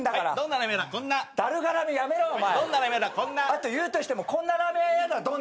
あと言うとしてもこんなラーメン屋は嫌だどんな？